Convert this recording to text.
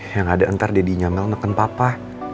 yang ada entar deddy nyamel neken papa